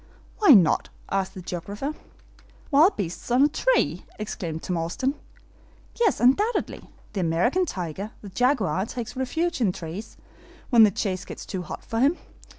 "Why not?" asked the geographer. "Wild beasts on a tree!" exclaimed Tom Austin. "Yes, undoubtedly. The American tiger, the jaguar, takes refuge in the trees, when the chase gets too hot for him.